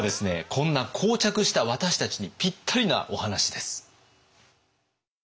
こんな膠着した私たちにぴったりなお話です。